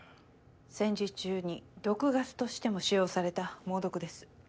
戦時中に毒ガスとしても使用された猛毒です。